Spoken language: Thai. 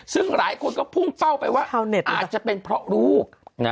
ซึ่งหลายคนก็พุ่งเป้าไปว่าอาจจะเป็นเพราะลูก